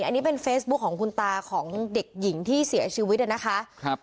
อันนี้เป็นเฟซบุ๊คของคุณตาของเด็กหญิงที่เสียชีวิตนะคะครับ